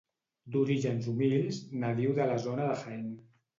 D'orígens humils, nadiu de la zona de Jaén.